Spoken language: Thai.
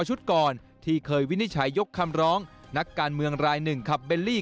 ชุดก่อนที่เคยวินิจฉัยยกคำร้องนักการเมืองรายหนึ่งขับเบลลี่